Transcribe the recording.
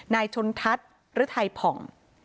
นายชนทัศน์หรือไทยผ่อง